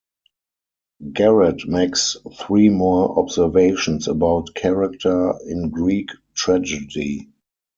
Garet makes three more observations about character in Greek tragedy.